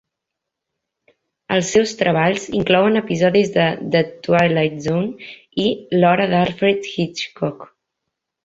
Els seus treballs inclouen episodis de "The Twilight Zone" i "L'hora d'Alfred Hitchcock".